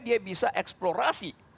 dia bisa eksplorasi